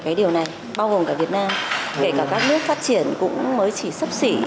cái điều này bao gồm cả việt nam kể cả các nước phát triển cũng mới chỉ sấp xỉ